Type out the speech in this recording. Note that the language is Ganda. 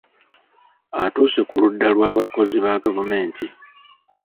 Atuuse ku ludda lw’abakozi ba gavumenti.